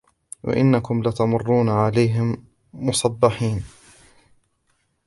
وإنكم لتمرون عليهم مصبحين